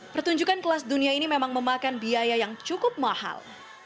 pertunjukan kelas dunia ini memang memakan biaya yang cukup mahal